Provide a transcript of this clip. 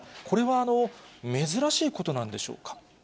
これは珍しいことなんでしょうか。